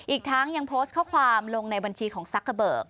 อีกทั้งยังโพสต์ข้อความลงในบัญชีของซักเกอร์เบิก